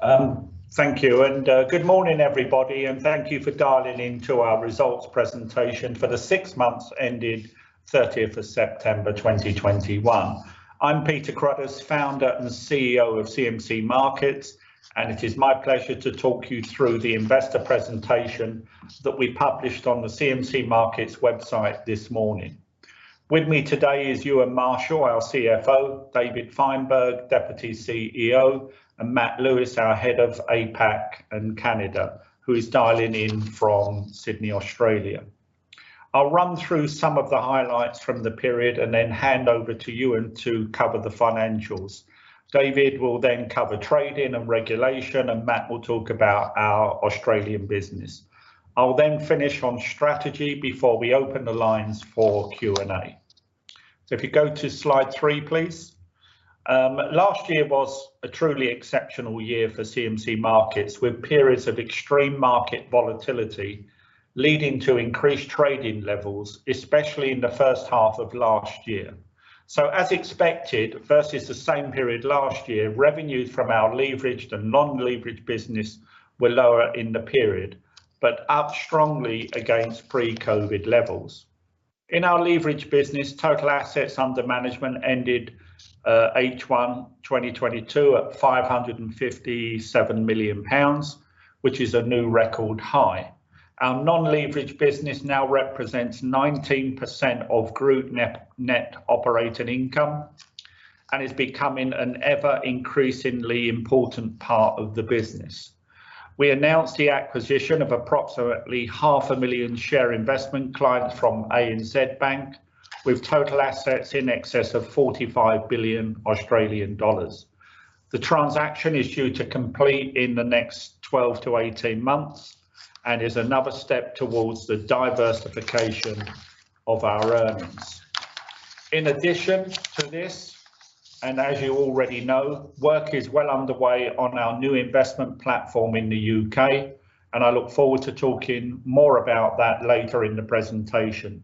Thank you, and good morning, everybody, and thank you for dialing into our results presentation for the six months ending 30th of September 2021. I'm Peter Cruddas, founder and CEO of CMC Markets, and it is my pleasure to talk you through the investor presentation that we published on the CMC Markets website this morning. With me today is Euan Marshall, our CFO, David Fineberg, deputy CEO, and Matt Lewis, our head of APAC and Canada, who is dialing in from Sydney, Australia. I'll run through some of the highlights from the period and then hand over to Euan to cover the financials. David will then cover trading and regulation, and Matt will talk about our Australian business. I will then finish on strategy before we open the lines for Q&A. If you go to slide three, please. Last year was a truly exceptional year for CMC Markets with periods of extreme market volatility leading to increased trading levels, especially in the first half of last year. As expected, versus the same period last year, revenues from our leveraged and non-leveraged business were lower in the period, but up strongly against pre-COVID levels. In our leveraged business, total assets under management ended H1 2022 at 557 million pounds, which is a new record high. Our non-leveraged business now represents 19% of group net operating income and is becoming an ever-increasingly important part of the business. We announced the acquisition of approximately 500,000 share investment clients from ANZ Bank with total assets in excess of 45 billion Australian dollars. The transaction is due to complete in the next 12-18 months and is another step towards the diversification of our earnings. In addition to this, and as you already know, work is well underway on our new investment platform in the U.K., and I look forward to talking more about that later in the presentation.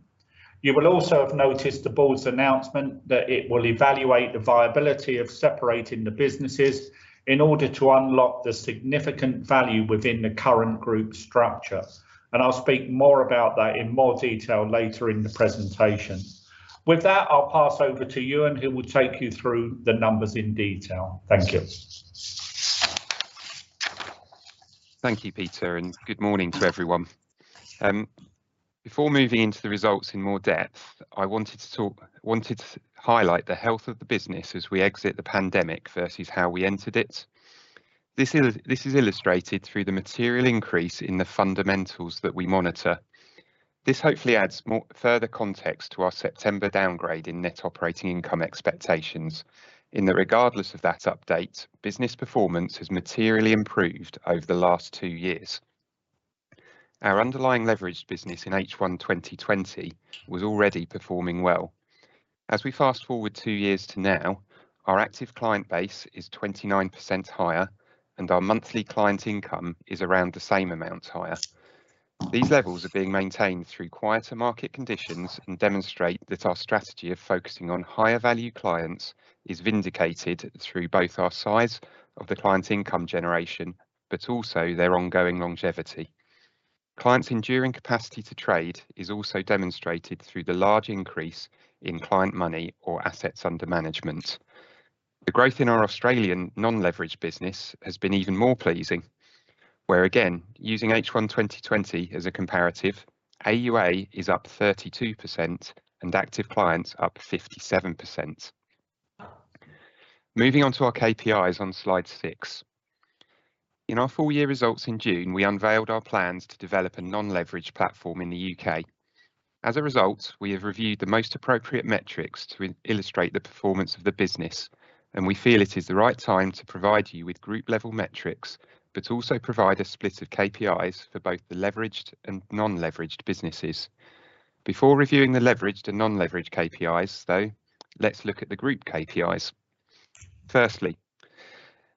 You will also have noticed the board's announcement that it will evaluate the viability of separating the businesses in order to unlock the significant value within the current group structure, and I'll speak more about that in more detail later in the presentation. With that, I'll pass over to Euan who will take you through the numbers in detail. Thank you. Thank you, Peter, and good morning to everyone. Before moving into the results in more depth, I wanted to highlight the health of the business as we exit the pandemic versus how we entered it. This is illustrated through the material increase in the fundamentals that we monitor. This hopefully adds more, further context to our September downgrade in net operating income expectations, in that regardless of that update, business performance has materially improved over the last two years. Our underlying leveraged business in H1 2020 was already performing well. As we fast forward two years to now, our active client base is 29% higher, and our monthly client income is around the same amount higher. These levels are being maintained through quieter market conditions and demonstrate that our strategy of focusing on higher value clients is vindicated through both our size of the client's income generation, but also their ongoing longevity. Clients' enduring capacity to trade is also demonstrated through the large increase in client money or assets under management. The growth in our Australian non-leveraged business has been even more pleasing, where, again, using H1 2020 as a comparative, AUA is up 32% and active clients up 57%. Moving on to our KPIs on slide six. In our full-year results in June, we unveiled our plans to develop a non-leveraged platform in the U.K. As a result, we have reviewed the most appropriate metrics to illustrate the performance of the business, and we feel it is the right time to provide you with group-level metrics but also provide a split of KPIs for both the leveraged and non-leveraged businesses. Before reviewing the leveraged and non-leveraged KPIs, though, let's look at the group KPIs. Firstly,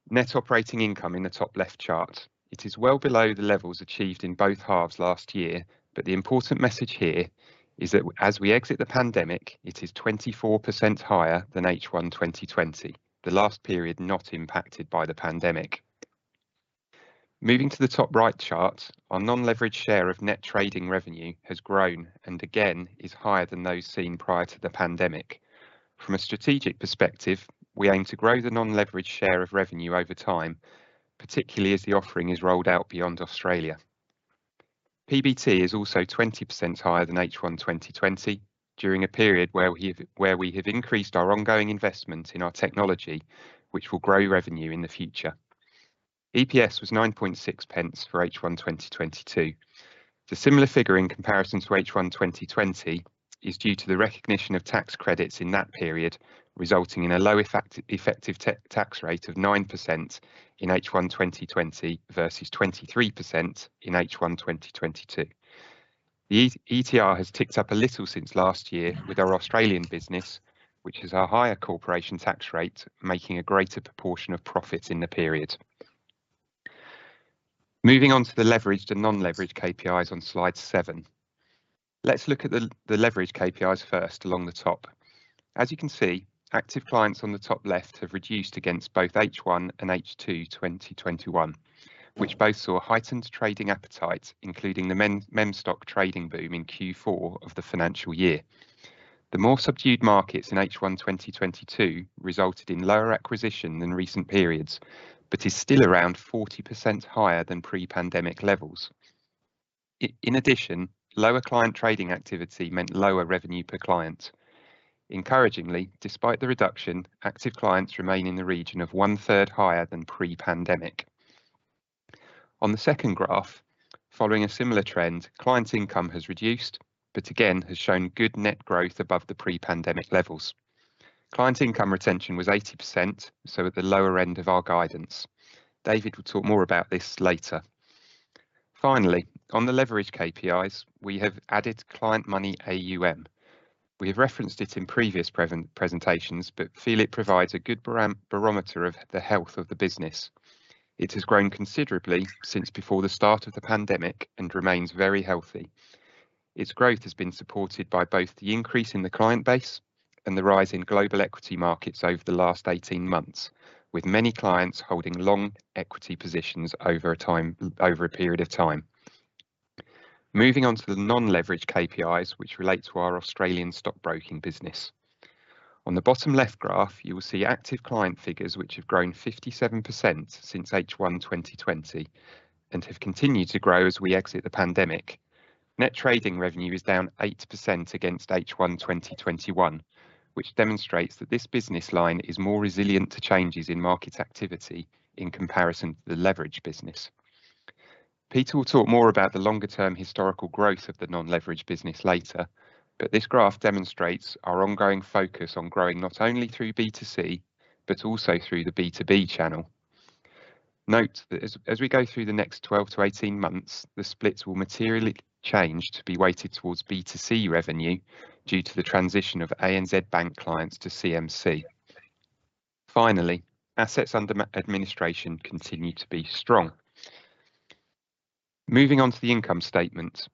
net operating income in the top left chart. It is well below the levels achieved in both halves last year, but the important message here is that as we exit the pandemic, it is 24% higher than H1 2020, the last period not impacted by the pandemic. Moving to the top right chart, our non-leveraged share of net trading revenue has grown, and again, is higher than those seen prior to the pandemic. From a strategic perspective, we aim to grow the non-leveraged share of revenue over time, particularly as the offering is rolled out beyond Australia. PBT is also 20% higher than H1 2020 during a period where we have increased our ongoing investment in our technology, which will grow revenue in the future. EPS was 0.096 for H1 2022. The similar figure in comparison to H1 2020 is due to the recognition of tax credits in that period, resulting in a low effective tax rate of 9% in H1 2020 versus 23% in H1 2022. The ETR has ticked up a little since last year with our Australian business, which has a higher corporation tax rate, making a greater proportion of profits in the period. Moving on to the leveraged and non-leveraged KPIs on slide seven. Let's look at the leveraged KPIs first along the top. As you can see, active clients on the top left have reduced against both H1 and H2 2021, which both saw heightened trading appetites, including the meme stock trading boom in Q4 of the financial year. The more subdued markets in H1 2022 resulted in lower acquisition than recent periods, but it is still around 40% higher than pre-pandemic levels. In addition, lower client trading activity meant lower revenue per client. Encouragingly, despite the reduction, active clients remain in the region of 1/3 higher than pre-pandemic. On the second graph, following a similar trend, client income has reduced, but again has shown good net growth above the pre-pandemic levels. Client income retention was 80%, so at the lower end of our guidance. David will talk more about this later. Finally, on the leveraged KPIs, we have added client money AUM. We have referenced it in previous presentations, but feel it provides a good barometer of the health of the business. It has grown considerably since before the start of the pandemic and remains very healthy. Its growth has been supported by both the increase in the client base and the rise in global equity markets over the last 18 months, with many clients holding long equity positions over a period of time. Moving on to the non-leveraged KPIs which relate to our Australian stockbroking business. On the bottom left graph, you will see active client figures which have grown 57% since H1 2020 and have continued to grow as we exit the pandemic. Net trading revenue is down 8% against H1 2021, which demonstrates that this business line is more resilient to changes in market activity in comparison to the leveraged business. Peter will talk more about the longer-term historical growth of the non-leveraged business later, but this graph demonstrates our ongoing focus on growing not only through B2C but also through the B2B channel. Note that as we go through the next 12-18 months, the splits will materially change to be weighted towards B2C revenue due to the transition of ANZ Bank clients to CMC. Finally, assets under administration continue to be strong. Moving on to the income statement.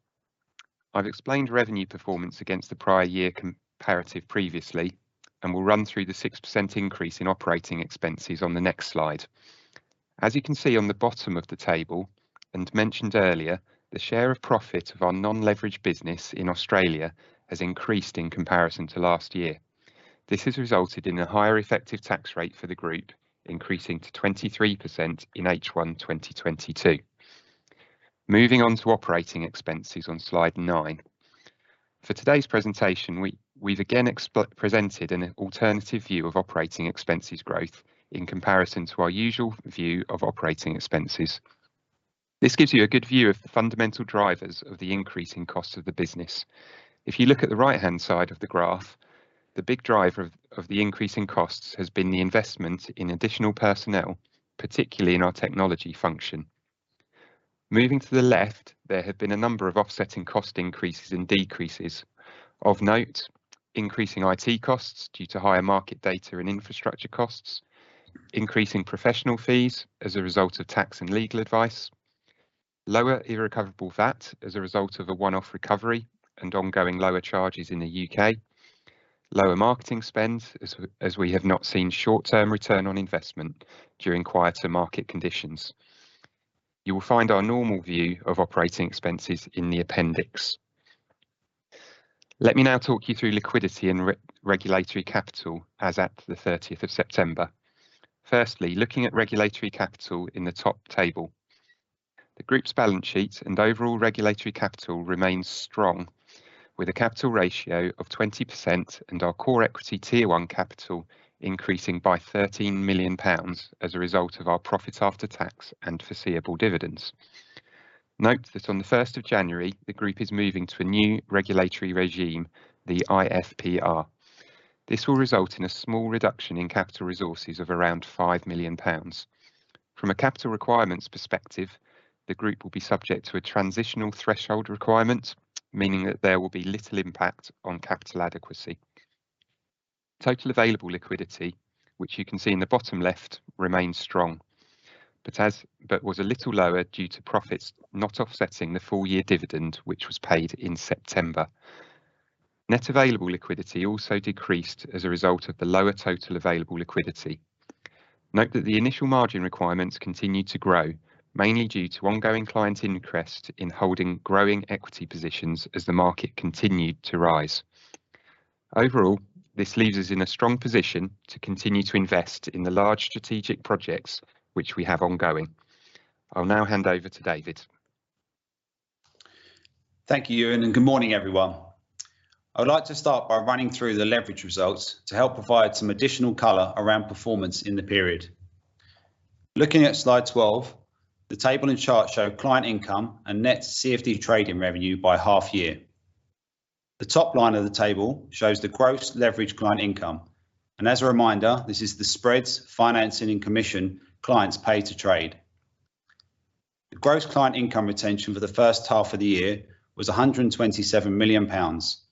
I've explained revenue performance against the prior year comparative previously and will run through the 6% increase in operating expenses on the next slide. As you can see on the bottom of the table, and mentioned earlier, the share of profit of our non-leveraged business in Australia has increased in comparison to last year. This has resulted in a higher effective tax rate for the group, increasing to 23% in H1 2022. Moving on to operating expenses on slide nine. For today's presentation, we've again presented an alternative view of operating expenses growth in comparison to our usual view of operating expenses. This gives you a good view of the fundamental drivers of the increase in cost of the business. If you look at the right-hand side of the graph, the big driver of the increase in costs has been the investment in additional personnel, particularly in our technology function. Moving to the left, there have been a number of offsetting cost increases and decreases. Of note, increasing IT costs due to higher market data and infrastructure costs. Increasing professional fees as a result of tax and legal advice. Lower irrecoverable VAT as a result of a one-off recovery and ongoing lower charges in the U.K. Lower marketing spend as we have not seen short-term return on investment during quieter market conditions. You will find our normal view of operating expenses in the appendix. Let me now talk you through liquidity and regulatory capital as at the thirtieth of September. Firstly, looking at regulatory capital in the top table. The group's balance sheet and overall regulatory capital remains strong, with a capital ratio of 20% and our Core Equity Tier 1 capital increasing by 13 million pounds as a result of our profits after tax and foreseeable dividends. Note that on the first of January, the group is moving to a new regulatory regime, the IFPR. This will result in a small reduction in capital resources of around 5 million pounds. From a capital requirements perspective, the group will be subject to a transitional threshold requirement, meaning that there will be little impact on capital adequacy. Total available liquidity, which you can see in the bottom left, remains strong, but was a little lower due to profits not offsetting the full year dividend, which was paid in September. Net available liquidity also decreased as a result of the lower total available liquidity. Note that the initial margin requirements continued to grow, mainly due to ongoing client interest in holding growing equity positions as the market continued to rise. Overall, this leaves us in a strong position to continue to invest in the large strategic projects which we have ongoing. I'll now hand over to David. Thank you, Euan, and good morning, everyone. I would like to start by running through the leverage results to help provide some additional color around performance in the period. Looking at slide 12, the table and chart show client income and net CFD trading revenue by half year. The top line of the table shows the gross leverage client income and as a reminder, this is the spreads, financing, and commission clients pay to trade. The gross client income retention for the first half of the year was 127 million pounds,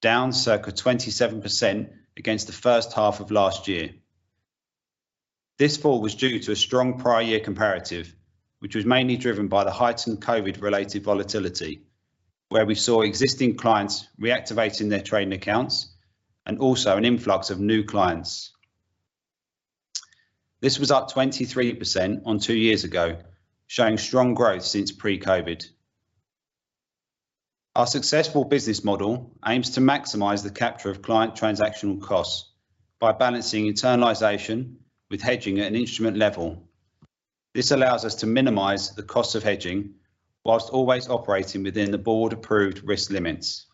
down circa 27% against the first half of last year. This fall was due to a strong prior year comparative, which was mainly driven by the heightened COVID-related volatility, where we saw existing clients reactivating their trading accounts and also an influx of new clients. This was up 23% on two years ago, showing strong growth since pre-COVID. Our successful business model aims to maximize the capture of client transactional costs by balancing internalization with hedging at an instrument level. This allows us to minimize the cost of hedging while always operating within the board-approved risk limits.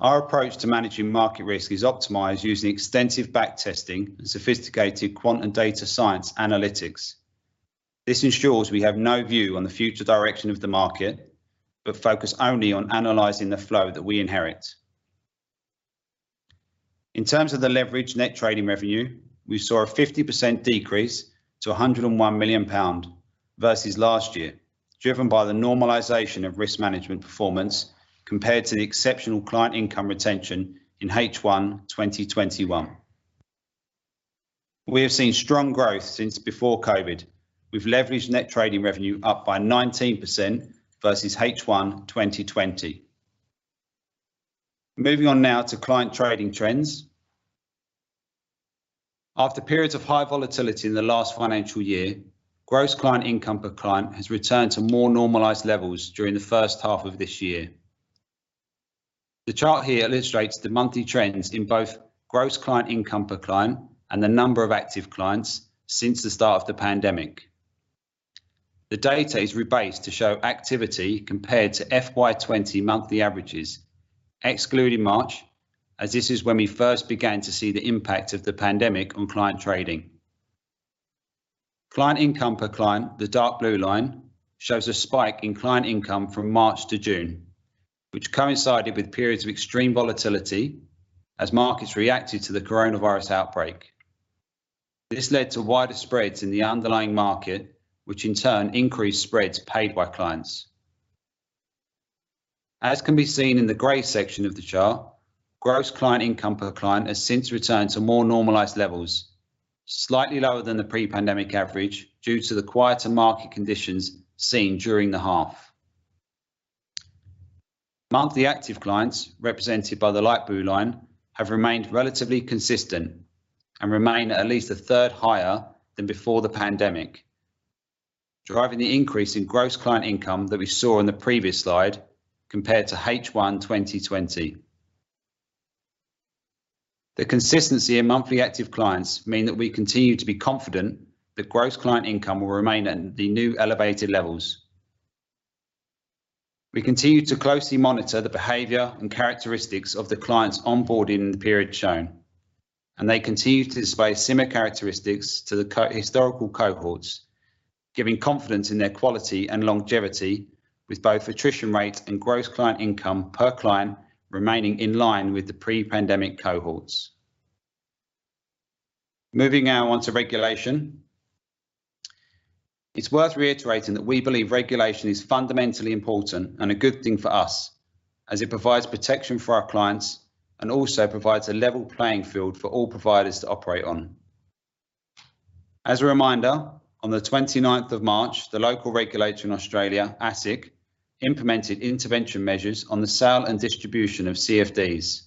Our approach to managing market risk is optimized using extensive back testing and sophisticated quant and data science analytics. This ensures we have no view on the future direction of the market, but focus only on analyzing the flow that we inherit. In terms of the leverage net trading revenue, we saw a 50% decrease to 101 million pound versus last year, driven by the normalization of risk management performance compared to the exceptional client income retention in H1 2021. We have seen strong growth since before COVID, with leveraged net trading revenue up by 19% versus H1 2020. Moving on now to client trading trends. After periods of high volatility in the last financial year, gross client income per client has returned to more normalized levels during the first half of this year. The chart here illustrates the monthly trends in both gross client income per client and the number of active clients since the start of the pandemic. The data is rebased to show activity compared to FY 2020 monthly averages, excluding March, as this is when we first began to see the impact of the pandemic on client trading. Client income per client, the dark blue line, shows a spike in client income from March to June, which coincided with periods of extreme volatility as markets reacted to the coronavirus outbreak. This led to wider spreads in the underlying market, which in turn increased spreads paid by clients. As can be seen in the gray section of the chart, gross client income per client has since returned to more normalized levels, slightly lower than the pre-pandemic average due to the quieter market conditions seen during the half. Monthly active clients, represented by the light blue line, have remained relatively consistent and remain at least a third higher than before the pandemic, driving the increase in gross client income that we saw in the previous slide compared to H1 2020. The consistency in monthly active clients mean that we continue to be confident that gross client income will remain at the new elevated levels. We continue to closely monitor the behavior and characteristics of the clients onboarded in the period shown, and they continue to display similar characteristics to the historical cohorts, giving confidence in their quality and longevity, with both attrition rate and gross client income per client remaining in line with the pre-pandemic cohorts. Moving now on to regulation. It's worth reiterating that we believe regulation is fundamentally important and a good thing for us, as it provides protection for our clients and also provides a level playing field for all providers to operate on. As a reminder, on the 29th of March, the local regulator in Australia, ASIC, implemented intervention measures on the sale and distribution of CFDs.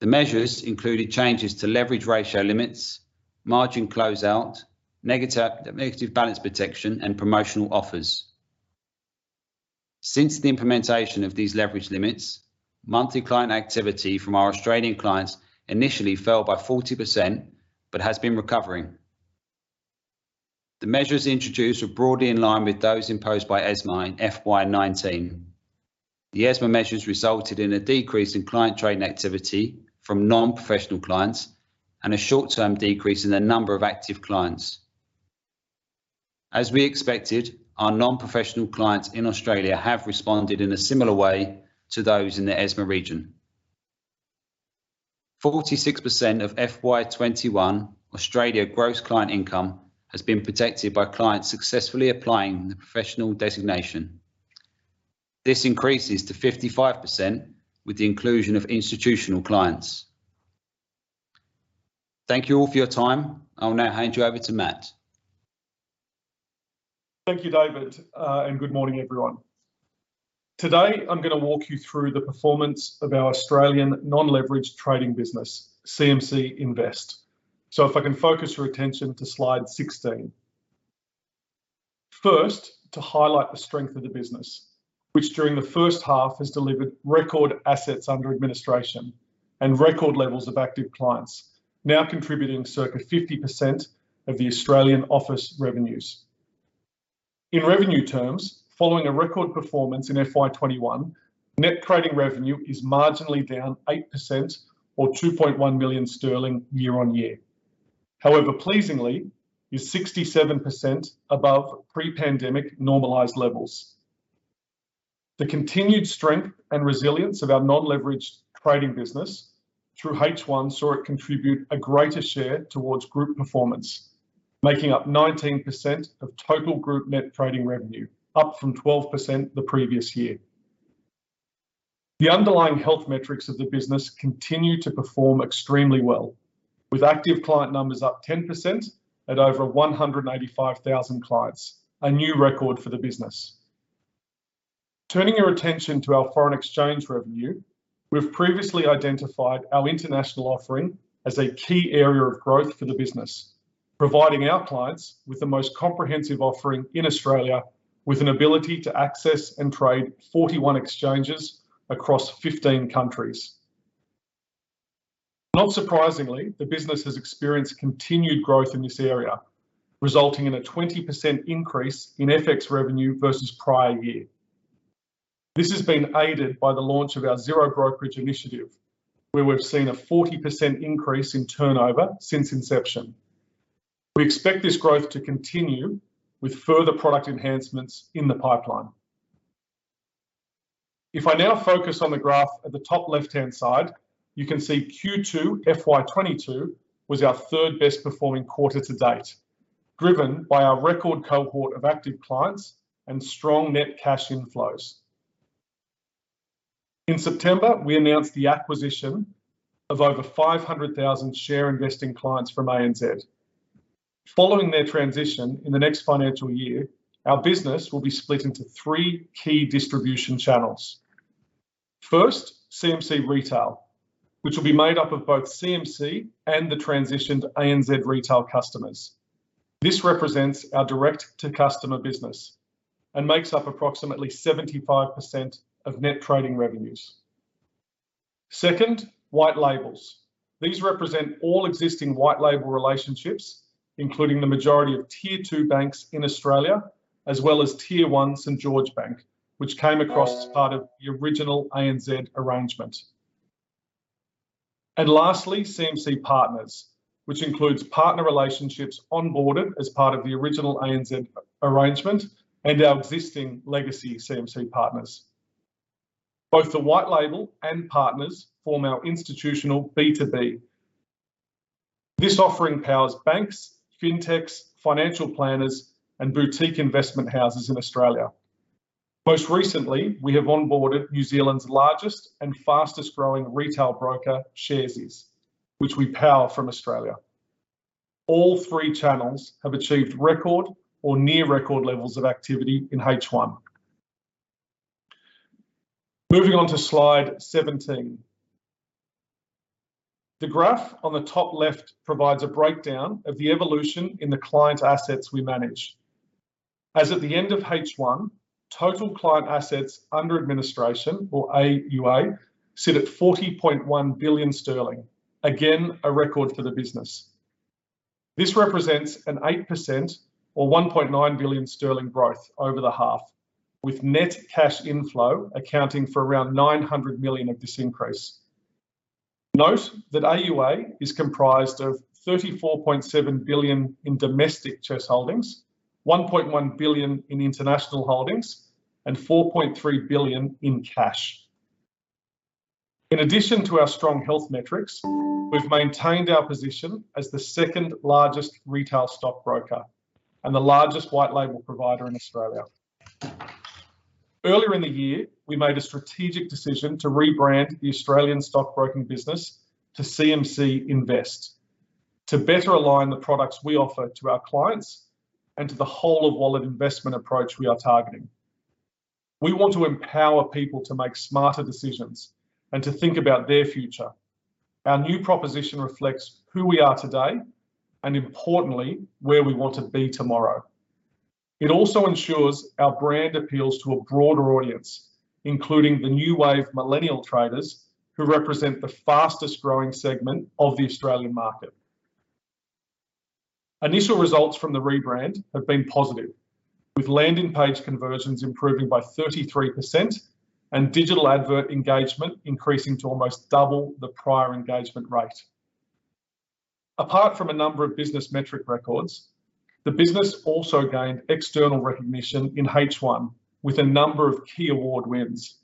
The measures included changes to leverage ratio limits, margin closeout, negative balance protection, and promotional offers. Since the implementation of these leverage limits, monthly client activity from our Australian clients initially fell by 40%, but has been recovering. The measures introduced were broadly in line with those imposed by ESMA in FY 2019. The ESMA measures resulted in a decrease in client trading activity from non-professional clients and a short-term decrease in the number of active clients. As we expected, our non-professional clients in Australia have responded in a similar way to those in the ESMA region. 46% of FY 2021 Australia gross client income has been protected by clients successfully applying the professional designation. This increases to 55% with the inclusion of institutional clients. Thank you all for your time. I will now hand you over to Matt. Thank you, David, and good morning, everyone. Today, I'm going to walk you through the performance of our Australian non-leveraged trading business, CMC Invest. If I can focus your attention to slide 16. First, to highlight the strength of the business, which during the first half has delivered record assets under administration and record levels of active clients, now contributing circa 50% of the Australian office revenues. In revenue terms, following a record performance in FY 2021, net trading revenue is marginally down 8% or 2.1 million sterling year-on-year. However, pleasingly, is 67% above pre-pandemic normalized levels. The continued strength and resilience of our non-leveraged trading business through H1 saw it contribute a greater share towards group performance, making up 19% of total group net trading revenue, up from 12% the previous year. The underlying health metrics of the business continue to perform extremely well, with active client numbers up 10% at over 185,000 clients, a new record for the business. Turning your attention to our foreign exchange revenue, we've previously identified our international offering as a key area of growth for the business, providing our clients with the most comprehensive offering in Australia with an ability to access and trade 41 exchanges across 15 countries. Not surprisingly, the business has experienced continued growth in this area, resulting in a 20% increase in FX revenue versus prior year. This has been aided by the launch of our zero brokerage initiative, where we've seen a 40% increase in turnover since inception. We expect this growth to continue with further product enhancements in the pipeline. If I now focus on the graph at the top left-hand side, you can see Q2 FY 2022 was our third best performing quarter to date, driven by our record cohort of active clients and strong net cash inflows. In September, we announced the acquisition of over 500,000 share investing clients from ANZ. Following their transition in the next financial year, our business will be split into three key distribution channels. First, CMC Retail, which will be made up of both CMC and the transitioned ANZ retail customers. This represents our direct to customer business and makes up approximately 75% of net trading revenues. Second, White Labels. These represent all existing White Label relationships, including the majority of tier two banks in Australia, as well as Tier 1 St.George Bank, which came across as part of the original ANZ arrangement. Lastly, CMC Partners, which includes partner relationships onboarded as part of the original ANZ arrangement and our existing legacy CMC partners. Both the White Label and Partners form our institutional B2B. This offering powers banks, fintechs, financial planners, and boutique investment houses in Australia. Most recently, we have onboarded New Zealand's largest and fastest growing retail broker, Sharesies, which we power from Australia. All three channels have achieved record or near record levels of activity in H1. Moving on to slide 17. The graph on the top left provides a breakdown of the evolution in the client assets we manage. As at the end of H1, total client assets under administration, or AUA, sit at 40.1 billion sterling. Again, a record for the business. This represents an 8% or 1.9 billion sterling growth over the half, with net cash inflow accounting for around 900 million of this increase. Note that AUA is comprised of 34.7 billion in domestic CHESS holdings, 1.1 billion in international holdings, and 4.3 billion in cash. In addition to our strong health metrics, we've maintained our position as the second largest retail stockbroker and the largest white label provider in Australia. Earlier in the year, we made a strategic decision to rebrand the Australian stockbroking business to CMC Invest to better align the products we offer to our clients and to the whole of wallet investment approach we are targeting. We want to empower people to make smarter decisions and to think about their future. Our new proposition reflects who we are today and importantly, where we want to be tomorrow. It also ensures our brand appeals to a broader audience, including the new wave millennial traders who represent the fastest growing segment of the Australian market. Initial results from the rebrand have been positive, with landing page conversions improving by 33% and digital advert engagement increasing to almost double the prior engagement rate. Apart from a number of business metric records, the business also gained external recognition in H1 with a number of key award wins.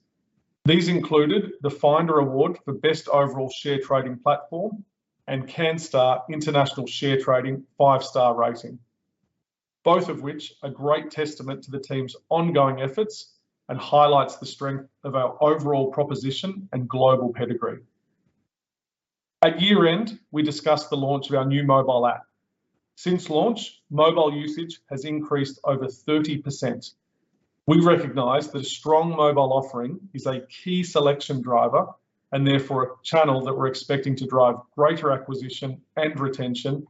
These included the Finder Award for best overall share trading platform and Canstar International Share Trading five-star rating, both of which are great testament to the team's ongoing efforts and highlights the strength of our overall proposition and global pedigree. At year-end, we discussed the launch of our new mobile app. Since launch, mobile usage has increased over 30%. We recognize that a strong mobile offering is a key selection driver and therefore a channel that we're expecting to drive greater acquisition and retention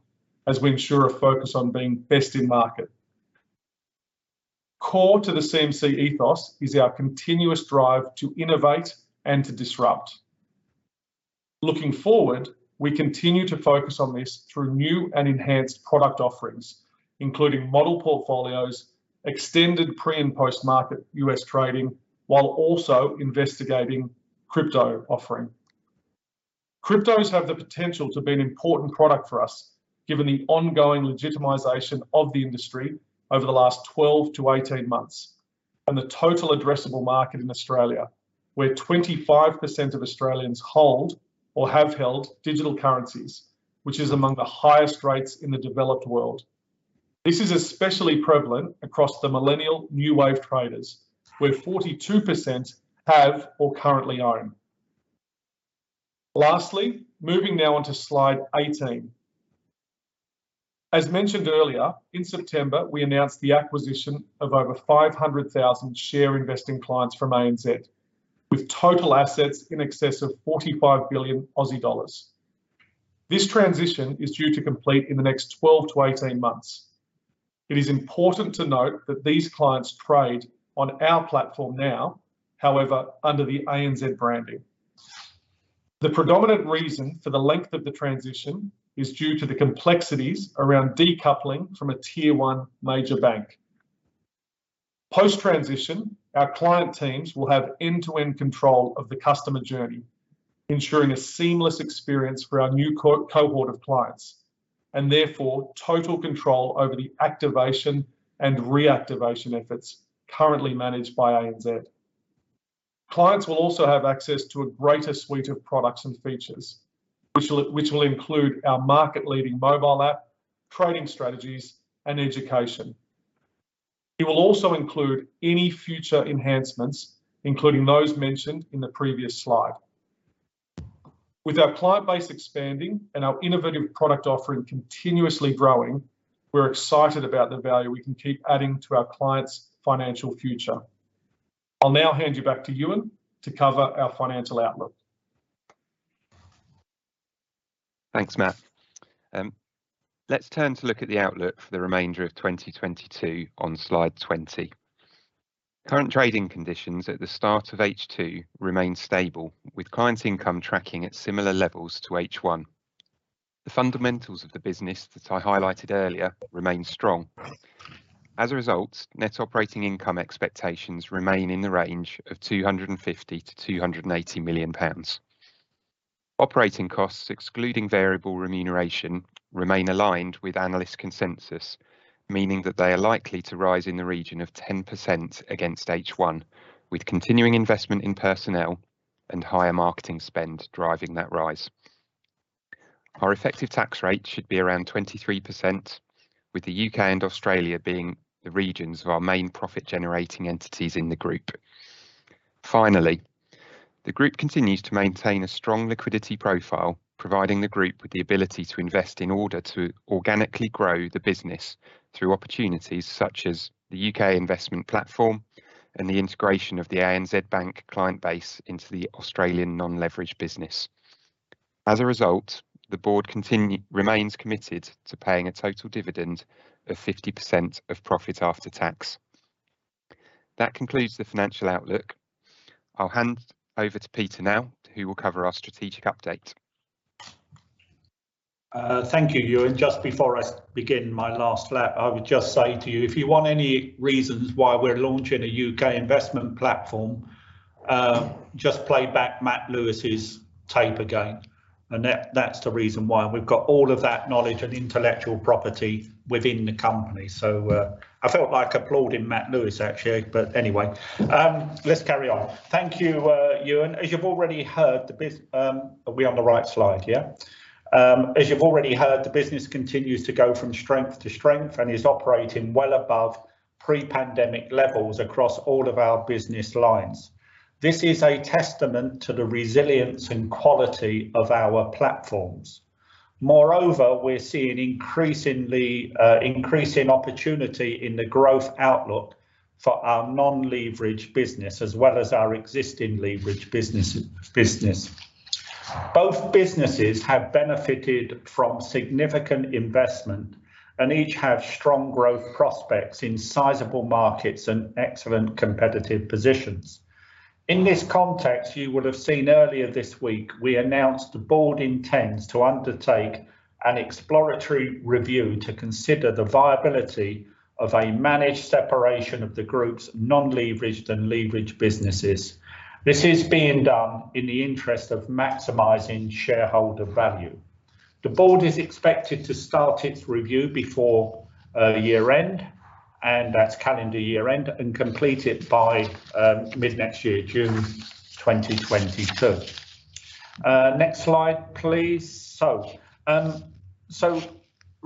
as we ensure a focus on being best in market. Core to the CMC ethos is our continuous drive to innovate and to disrupt. Looking forward, we continue to focus on this through new and enhanced product offerings, including model portfolios, extended pre- and post-market U.S. trading, while also investigating crypto offering. Cryptos have the potential to be an important product for us, given the ongoing legitimization of the industry over the last 12-18 months and the total addressable market in Australia, where 25% of Australians hold or have held digital currencies, which is among the highest rates in the developed world. This is especially prevalent across the millennial new wave traders, where 42% have or currently own. Lastly, moving now on to slide 18. As mentioned earlier, in September, we announced the acquisition of over 500,000 share investing clients from ANZ, with total assets in excess of 45 billion Aussie dollars. This transition is due to complete in the next 12-18 months. It is important to note that these clients trade on our platform now, however, under the ANZ branding. The predominant reason for the length of the transition is due to the complexities around decoupling from a tier one major bank. Post-transition, our client teams will have end-to-end control of the customer journey, ensuring a seamless experience for our new cohort of clients, and therefore, total control over the activation and reactivation efforts currently managed by ANZ. Clients will also have access to a greater suite of products and features, which will include our market-leading mobile app, trading strategies, and education. It will also include any future enhancements, including those mentioned in the previous slide. With our client base expanding and our innovative product offering continuously growing, we're excited about the value we can keep adding to our clients' financial future. I'll now hand you back to Euan to cover our financial outlook. Thanks, Matt. Let's turn to look at the outlook for the remainder of 2022 on slide 20. Current trading conditions at the start of H2 remain stable, with clients' income tracking at similar levels to H1. The fundamentals of the business that I highlighted earlier remain strong. As a result, net operating income expectations remain in the range of 250 million-280 million pounds. Operating costs, excluding variable remuneration, remain aligned with analyst consensus, meaning that they are likely to rise in the region of 10% against H1, with continuing investment in personnel and higher marketing spend driving that rise. Our effective tax rate should be around 23%, with the U.K. and Australia being the regions of our main profit-generating entities in the group. Finally, the group continues to maintain a strong liquidity profile, providing the group with the ability to invest in order to organically grow the business through opportunities such as the U.K. investment platform and the integration of the ANZ Bank client base into the Australian non-leveraged business. As a result, the board remains committed to paying a total dividend of 50% of profit after tax. That concludes the financial outlook. I'll hand over to Peter now, who will cover our strategic update. Thank you, Euan. Just before I begin my last lap, I would just say to you, if you want any reasons why we're launching a U.K. investment platform, just play back Matt Lewis' tape again. That, that's the reason why. We've got all of that knowledge and intellectual property within the company. I felt like applauding Matt Lewis, actually. Anyway, let's carry on. Thank you, Euan. As you've already heard, are we on the right slide, yeah? As you've already heard, the business continues to go from strength to strength and is operating well above pre-pandemic levels across all of our business lines. This is a testament to the resilience and quality of our platforms. Moreover, we're seeing increasing opportunity in the growth outlook for our non-leveraged business, as well as our existing leveraged business. Both businesses have benefited from significant investment, and each have strong growth prospects in sizable markets and excellent competitive positions. In this context, you will have seen earlier this week we announced the board intends to undertake an exploratory review to consider the viability of a managed separation of the group's non-leveraged and leveraged businesses. This is being done in the interest of maximizing shareholder value. The board is expected to start its review before year-end, and that's calendar year-end, and complete it by mid-next year, June 2022. Next slide, please.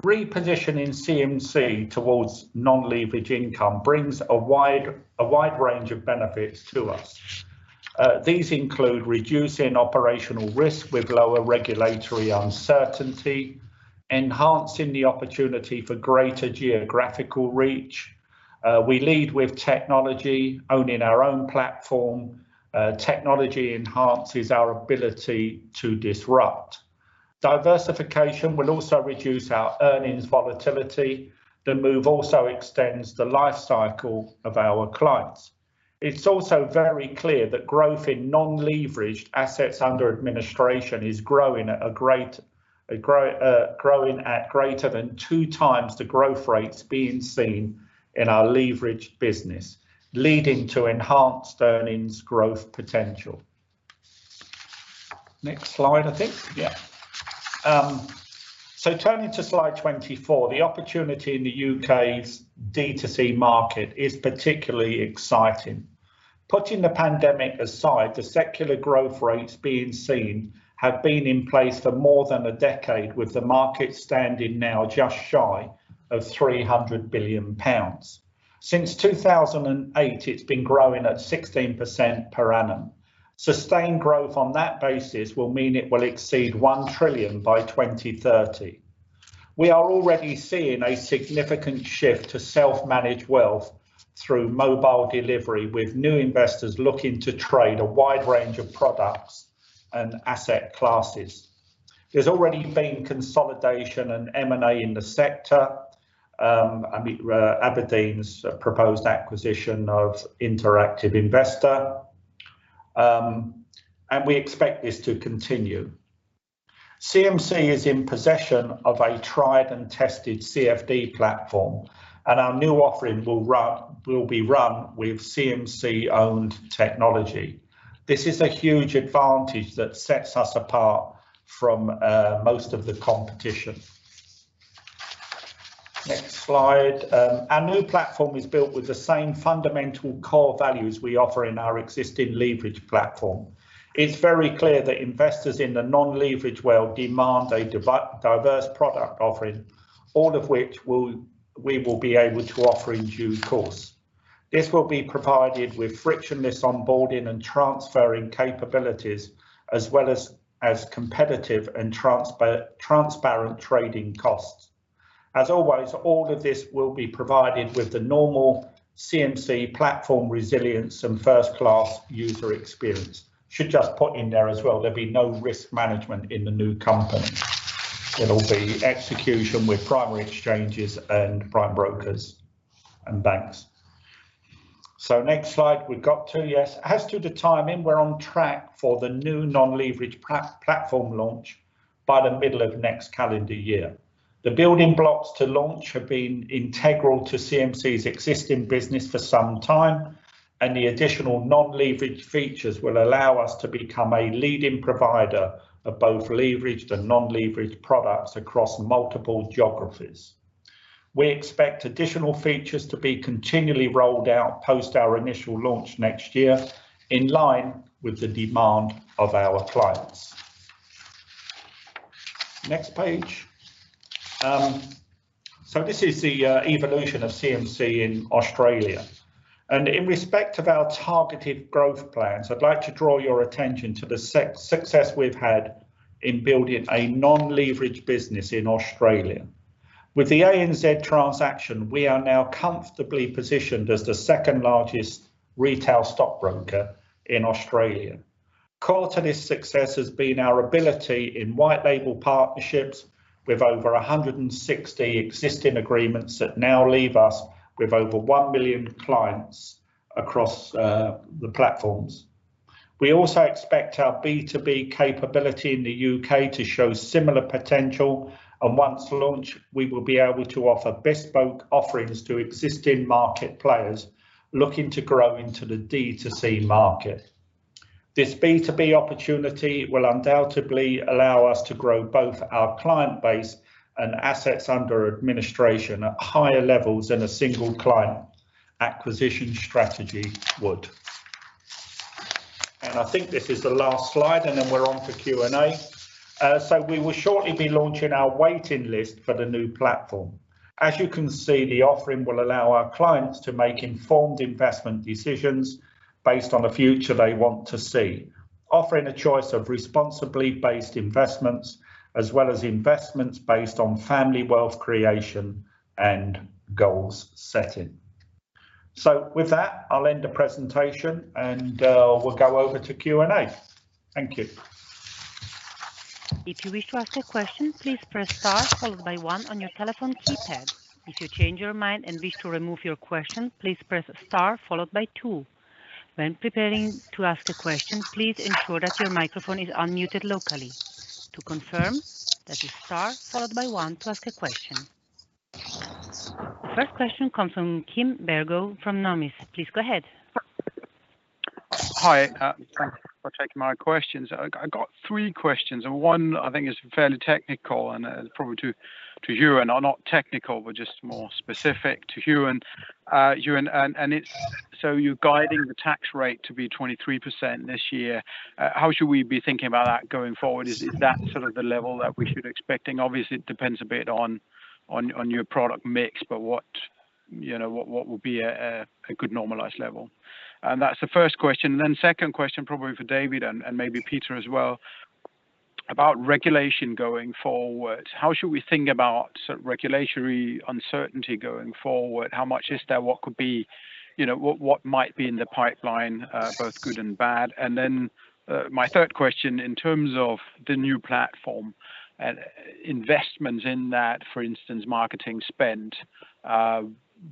Repositioning CMC towards non-leveraged income brings a wide range of benefits to us. These include reducing operational risk with lower regulatory uncertainty, enhancing the opportunity for greater geographical reach. We lead with technology, owning our own platform. Technology enhances our ability to disrupt. Diversification will also reduce our earnings volatility. The move also extends the life cycle of our clients. It's also very clear that growth in non-leveraged assets under administration is growing at greater than 2x the growth rates being seen in our leveraged business, leading to enhanced earnings growth potential. Next slide. So turning to slide 24. The opportunity in the U.K.'s D2C market is particularly exciting. Putting the pandemic aside, the secular growth rates being seen have been in place for more than a decade, with the market standing now just shy of 300 billion pounds. Since 2008, it's been growing at 16% per annum. Sustained growth on that basis will mean it will exceed 1 trillion by 2030. We are already seeing a significant shift to self-managed wealth through mobile delivery, with new investors looking to trade a wide range of products and asset classes. There's already been consolidation and M&A in the sector, I mean, abrdn's proposed acquisition of Interactive Investor, and we expect this to continue. CMC is in possession of a tried and tested CFD platform, and our new offering will be run with CMC-owned technology. This is a huge advantage that sets us apart from most of the competition. Next slide. Our new platform is built with the same fundamental core values we offer in our existing leverage platform. It's very clear that investors in the non-leverage world demand a diverse product offering, all of which we will be able to offer in due course. This will be provided with frictionless onboarding and transferring capabilities as well as competitive and transparent trading costs. As always, all of this will be provided with the normal CMC platform resilience and first-class user experience. We should just put in there as well, there'll be no risk management in the new company. It'll be execution with primary exchanges and prime brokers and banks. Next slide. Yes. As to the timing, we're on track for the new non-leverage platform launch by the middle of next calendar year. The building blocks to launch have been integral to CMC's existing business for some time, and the additional non-leverage features will allow us to become a leading provider of both leveraged and non-leveraged products across multiple geographies. We expect additional features to be continually rolled out post our initial launch next year in line with the demand of our clients. Next page. This is the evolution of CMC in Australia. In respect of our targeted growth plans, I'd like to draw your attention to the success we've had in building a non-leverage business in Australia. With the ANZ transaction, we are now comfortably positioned as the second-largest retail stockbroker in Australia. Core to this success has been our ability in white label partnerships with over 160 existing agreements that now leave us with over 1 billion clients across the platforms. We also expect our B2B capability in the U.K. to show similar potential, and once launched, we will be able to offer bespoke offerings to existing market players looking to grow into the D2C market. This B2B opportunity will undoubtedly allow us to grow both our client base and assets under administration at higher levels than a single client acquisition strategy would. I think this is the last slide, and then we're on to Q&A. We will shortly be launching our waiting list for the new platform. As you can see, the offering will allow our clients to make informed investment decisions based on the future they want to see, offering a choice of responsibly based investments as well as investments based on family wealth creation and goal-setting. With that, I'll end the presentation, and we'll go over to Q&A. Thank you. First question comes from Kim Bergoe from Numis. Please go ahead. Hi. Thanks for taking my questions. I got three questions, and one I think is fairly technical and probably to you, or not technical, but just more specific to you. You're guiding the tax rate to be 23% this year. How should we be thinking about that going forward? Is that sort of the level that we should expecting? Obviously, it depends a bit on your product mix, but what, you know, what would be a good normalized level? That's the first question. Then second question probably for David and maybe Peter as well about regulation going forward. How should we think about sort of regulatory uncertainty going forward? How much is there? What could be, you know, what might be in the pipeline, both good and bad? Then, my third question, in terms of the new platform and investment in that, for instance, marketing spend,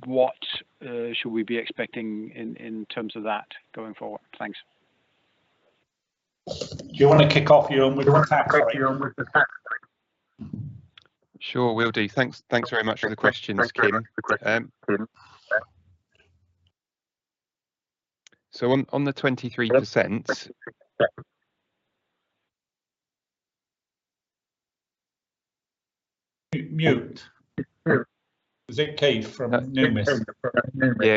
what should we be expecting in terms of that going forward? Thanks. Do you want to kick off, Euan, with the tax side? Sure, will do. Thanks very much for the questions, Kim. On the 23%. Is it Keith from Numis? Yeah,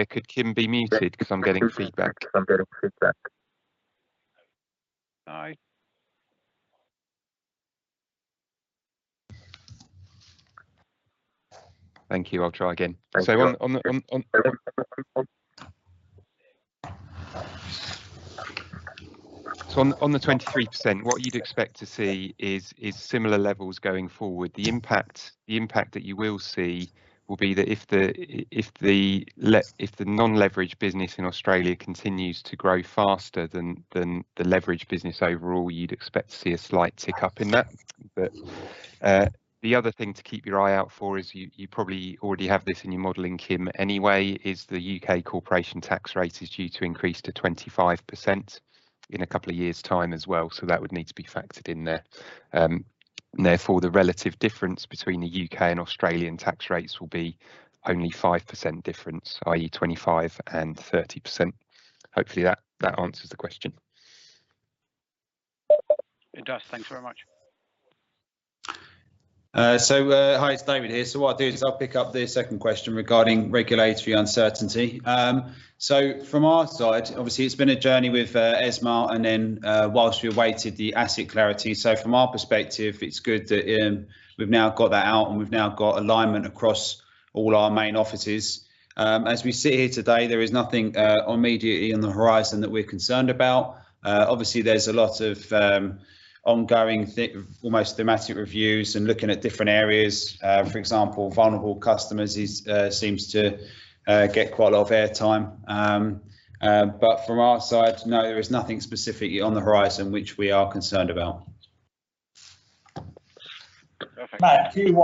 could Kim be muted because I'm getting feedback? Hi. Thank you. I'll try again. On the 23%, what you'd expect to see is similar levels going forward. The impact that you will see will be that if the non-leveraged business in Australia continues to grow faster than the leveraged business overall, you'd expect to see a slight tick up in that. But the other thing to keep your eye out for is you probably already have this in your modeling, Kim, anyway, the U.K. corporation tax rate is due to increase to 25% in a couple of years' time as well. That would need to be factored in there. Therefore, the relative difference between the U.K. and Australian tax rates will be only 5% difference, i.e. 25% and 30%. Hopefully that answers the question. It does. Thanks very much. Hi, it's David here. What I'll do is I'll pick up the second question regarding regulatory uncertainty. From our side, obviously, it's been a journey with ESMA, and then while we awaited the ASIC clarity. From our perspective, it's good that we've now got that out, and we've now got alignment across all our main offices. As we sit here today, there is nothing immediately on the horizon that we're concerned about. Obviously, there's a lot of ongoing thematic reviews and looking at different areas. For example, vulnerable customers seems to get quite a lot of airtime. From our side, no, there is nothing specifically on the horizon which we are concerned about. Matt, do you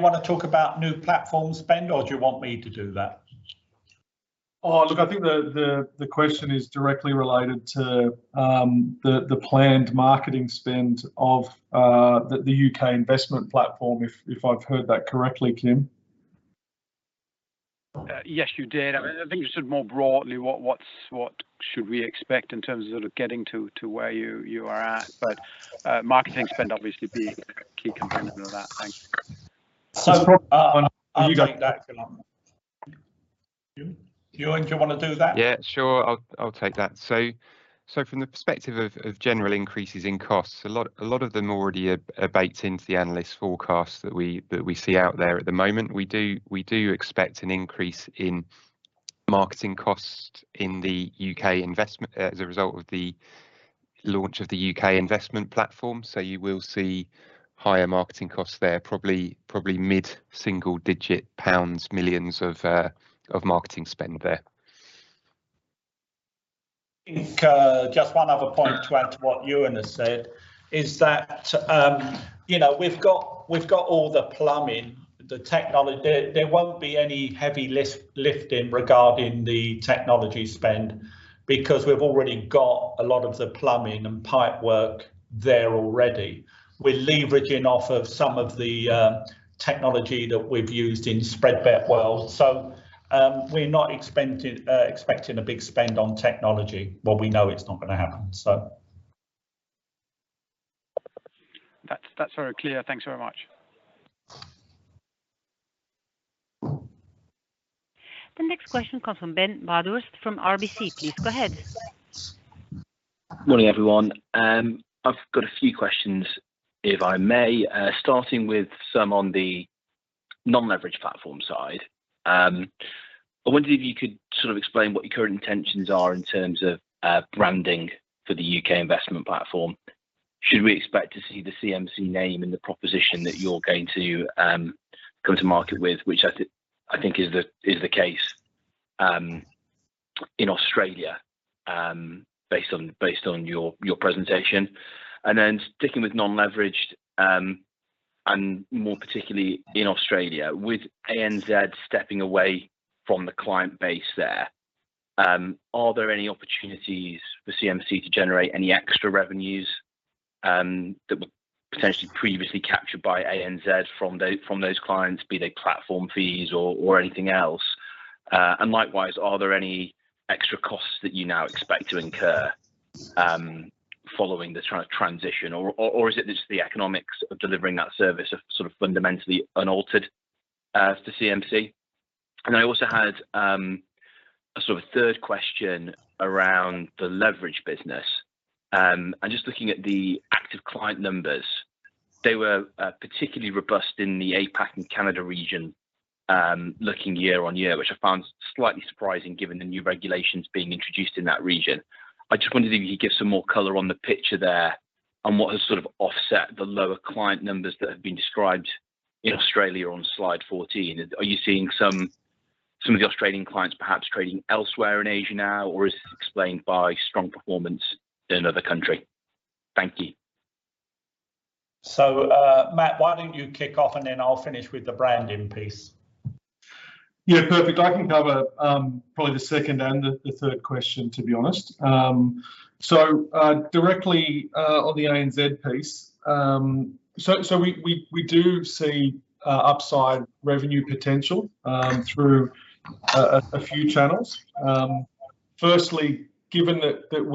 wanna talk about new platform spend, or do you want me to do that? Oh, look, I think the question is directly related to the planned marketing spend of the U.K. investment platform, if I've heard that correctly, Kim. Yes, you did. I think you said more broadly what should we expect in terms of sort of getting to where you are at. Marketing spend obviously being a key component of that. Thanks. I. You got it, take that, Euan. Euan, do you wanna do that? Yeah, sure. I'll take that. From the perspective of general increases in costs, a lot of them already are baked into the analysts forecasts that we see out there at the moment. We do expect an increase in marketing costs in the U.K. investment as a result of the launch of the U.K. Investment platform. You will see higher marketing costs there, probably mid-single digit pounds millions of marketing spend there. I think just one other point to add to what Euan has said is that, you know, we've got all the plumbing, the technology. There won't be any heavy lifting regarding the technology spend because we've already got a lot of the plumbing and pipework there already. We're leveraging off of some of the technology that we've used in Spread Bet world. We're not expecting a big spend on technology. Well, we know it's not gonna happen. That's very clear. Thanks very much. The next question comes from Ben Bathurst from RBC. Please go ahead. Morning, everyone. I've got a few questions, if I may, starting with some on the non-leveraged platform side. I wondered if you could sort of explain what your current intentions are in terms of branding for the U.K. investment platform. Should we expect to see the CMC name in the proposition that you're going to come to market with, which I think is the case in Australia, based on your presentation? Sticking with non-leveraged, and more particularly in Australia, with ANZ stepping away from the client base there, are there any opportunities for CMC to generate any extra revenues that were potentially previously captured by ANZ from those clients, be they platform fees or anything else? Likewise, are there any extra costs that you now expect to incur, following the transition or is it just the economics of delivering that service are sort of fundamentally unaltered as to CMC? I also had a sort of third question around the leverage business. Just looking at the active client numbers, they were particularly robust in the APAC and Canada region, looking year on year, which I found slightly surprising given the new regulations being introduced in that region. I just wondered if you could give some more color on the picture there on what has sort of offset the lower client numbers that have been described in Australia on slide 14. Are you seeing some of the Australian clients perhaps trading elsewhere in Asia now, or is this explained by strong performance in another country? Thank you. Matt, why don't you kick off, and then I'll finish with the branding piece. Yeah, perfect. I can cover probably the second and the third question, to be honest. So, directly on the ANZ piece, we do see upside revenue potential through a few channels. Firstly, given that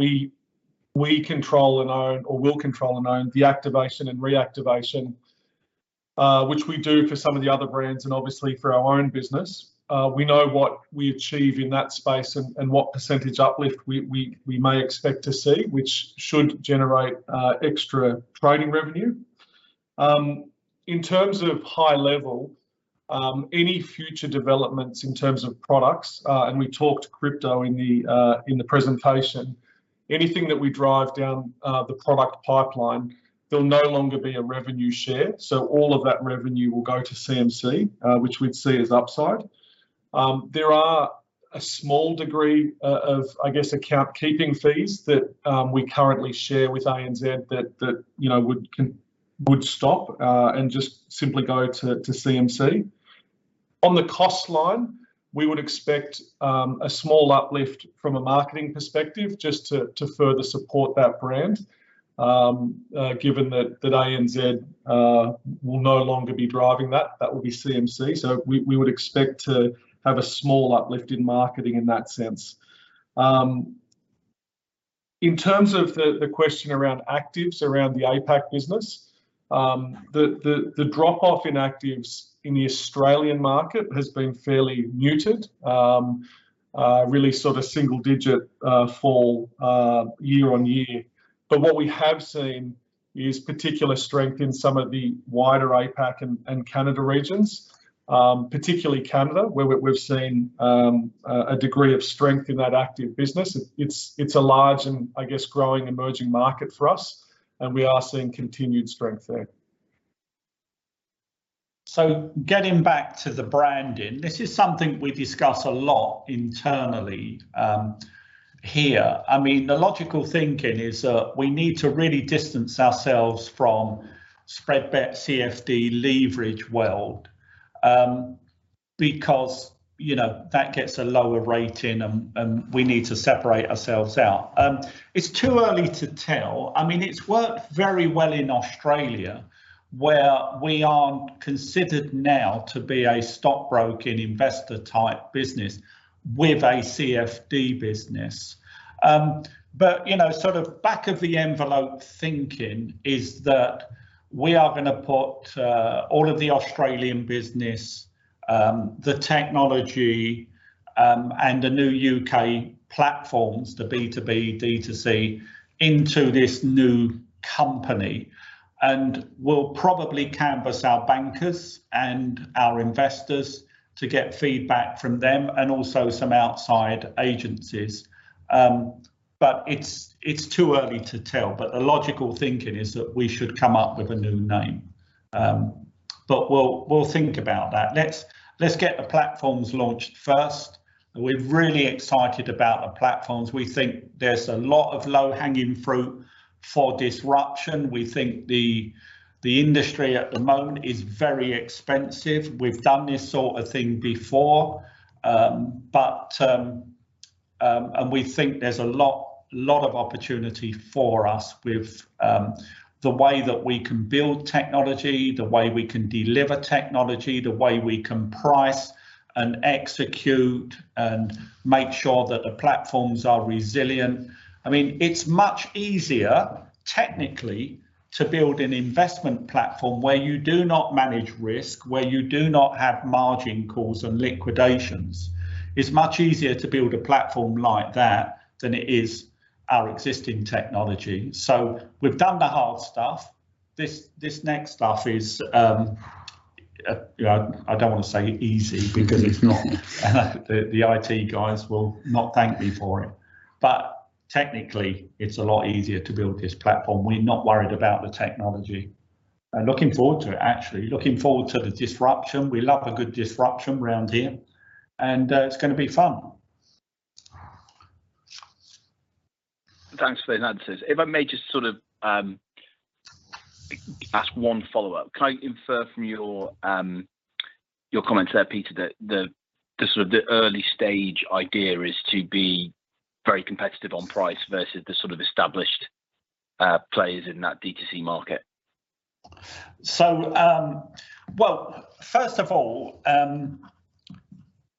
we control and own, or will control and own the activation and reactivation, which we do for some of the other brands, and obviously for our own business. We know what we achieve in that space and what percentage uplift we may expect to see, which should generate extra trading revenue. In terms of high level, any future developments in terms of products, and we talked crypto in the presentation. Anything that we drive down the product pipeline, there'll no longer be a revenue share. All of that revenue will go to CMC, which we'd see as upside. There are a small degree of, I guess, account keeping fees that we currently share with ANZ that, you know, would stop and just simply go to CMC. On the cost line, we would expect a small uplift from a marketing perspective just to further support that brand. Given that ANZ will no longer be driving that will be CMC. We would expect to have a small uplift in marketing in that sense. In terms of the question around actives around the APAC business. The drop-off in actives in the Australian market has been fairly muted. Really sort of single digit fall year-on-year. What we have seen is particular strength in some of the wider APAC and Canada regions, particularly Canada, where we've seen a degree of strength in that active business. It's a large and, I guess, growing, emerging market for us. We are seeing continued strength there. Getting back to the branding, this is something we discuss a lot internally here. I mean, the logical thinking is that we need to really distance ourselves from spread bet CFD leverage world, because, you know, that gets a lower rating and we need to separate ourselves out. It's too early to tell. I mean, it's worked very well in Australia, where we are considered now to be a stockbroker investor type business with a CFD business. But, you know, sort of back of the envelope thinking is that we are gonna put all of the Australian business, the technology, and the new U.K. platforms, the B2B, D2C, into this new company. We'll probably canvass our bankers and our investors to get feedback from them and also some outside agencies. But it's too early to tell. The logical thinking is that we should come up with a new name. We'll think about that. Let's get the platforms launched first. We're really excited about the platforms. We think there's a lot of low-hanging fruit for disruption. We think the industry at the moment is very expensive. We've done this sort of thing before. We think there's a lot of opportunity for us with the way that we can build technology, the way we can deliver technology, the way we can price and execute and make sure that the platforms are resilient. I mean, it's much easier, technically, to build an investment platform where you do not manage risk, where you do not have margin calls and liquidations. It's much easier to build a platform like that than it is our existing technology. We've done the hard stuff. This next stuff is, I don't want to say easy because it's not. The IT guys will not thank me for it. Technically, it's a lot easier to build this platform. We're not worried about the technology. Looking forward to it actually. Looking forward to the disruption. We love a good disruption around here, and it's gonna be fun. Thanks for the answers. If I may just sort of ask one follow-up. Can I infer from your comment there, Peter, that the sort of the early stage idea is to be very competitive on price versus the sort of established players in that D2C market? Well, first of all,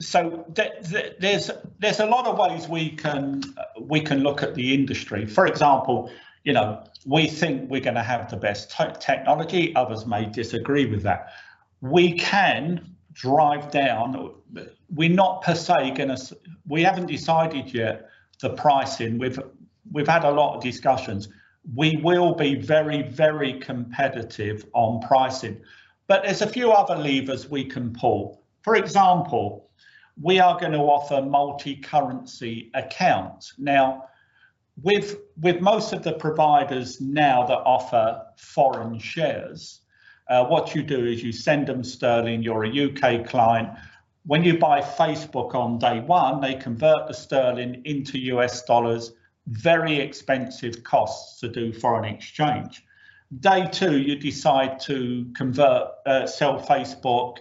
there's a lot of ways we can look at the industry. For example, you know, we think we're gonna have the best technology. Others may disagree with that. We can drive down. We're not per se gonna. We haven't decided yet the pricing. We've had a lot of discussions. We will be very, very competitive on pricing. But there's a few other levers we can pull. For example, we are gonna offer multi-currency accounts. Now, with most of the providers now that offer foreign shares, what you do is you send them sterling, you're a U.K. client. When you buy Facebook on day one, they convert the sterling into U.S. dollars, very expensive costs to do foreign exchange. Day two, you decide to convert, sell Facebook,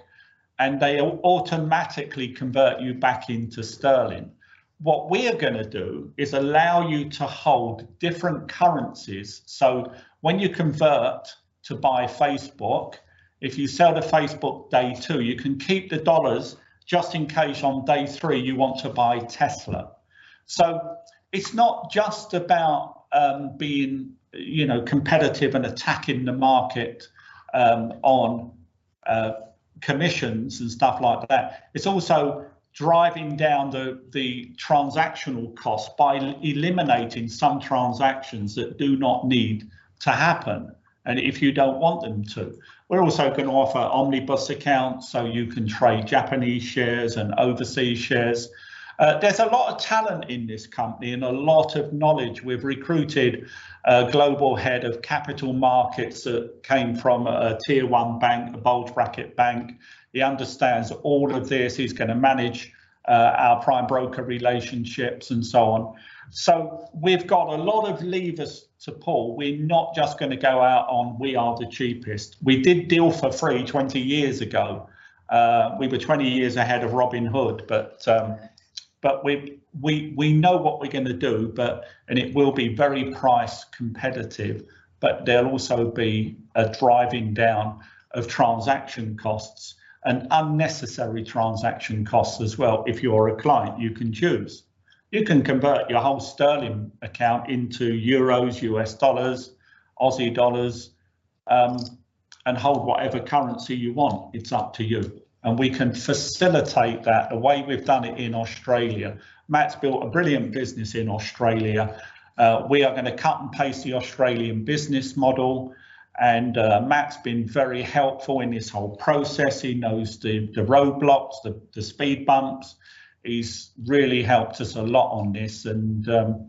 and they automatically convert you back into sterling. What we are gonna do is allow you to hold different currencies. When you convert to buy Facebook, if you sell the Facebook day two, you can keep the dollars just in case on day three you want to buy Tesla. It's not just about being competitive and attacking the market on commissions and stuff like that. It's also driving down the transactional cost by eliminating some transactions that do not need to happen, and if you don't want them to. We're also gonna offer omnibus accounts so you can trade Japanese shares and overseas shares. There's a lot of talent in this company and a lot of knowledge. We've recruited a global head of capital markets that came from a Tier 1 bank, a bulge bracket bank. He understands all of this. He's gonna manage our prime broker relationships and so on. We've got a lot of levers to pull. We're not just gonna go out on, "We are the cheapest." We did deals for free 20 years ago. We were 20 years ahead of Robinhood. We know what we're gonna do, but it will be very price competitive, but there'll also be a driving down of transaction costs, and unnecessary transaction costs as well. If you're a client, you can choose. You can convert your whole sterling account into euros, U.S. dollars, Aussie dollars, and hold whatever currency you want. It's up to you. We can facilitate that the way we've done it in Australia. Matt's built a brilliant business in Australia. We are gonna cut and paste the Australian business model. Matt's been very helpful in this whole process. He knows the roadblocks, the speed bumps. He's really helped us a lot on this. We've got